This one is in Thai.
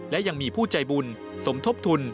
และยังมีผู้ใจบุญสมทบทุน